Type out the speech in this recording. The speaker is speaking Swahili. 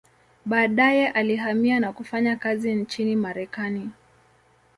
Baadaye alihamia na kufanya kazi nchini Marekani.